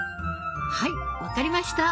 はい分かりました。